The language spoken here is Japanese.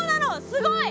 すごい！